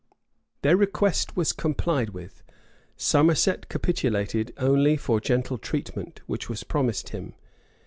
Their request was complied with: Somerset capitulated only for gentle treatment, which was promised him.